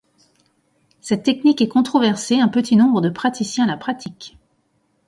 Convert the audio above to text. Cette technique est controversée, un petit nombre de praticiens la pratique.